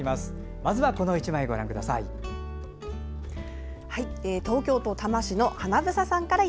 まずはこの１枚、ご覧ください。